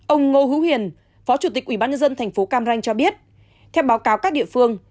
ông ngô hữu hiền phó chủ tịch ubnd tp cam ranh cho biết theo báo cáo các địa phương